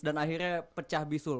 dan akhirnya pecah bisul